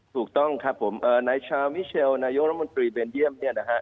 ถูกต้องครับผมนายชาวมิเชลนายองรัมนตรีเบนเยี่ยม